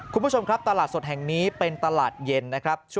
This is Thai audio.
คุณผู้ชมครับตลาดสดแห่งนี้เป็นตลาดเย็นนะครับ